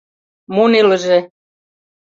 Мо нелыже?